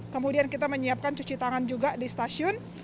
kemudian kita menyiapkan cuci tangan juga di stasiun